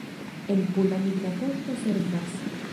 En Pula migra poŝto servas.